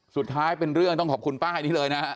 สุดท้ายเป็นเรื่องต้องขอบคุณป้ายนี้เลยนะฮะ